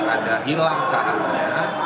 ada hilang sahamnya